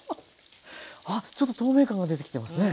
ちょっと透明感が出てきてますね。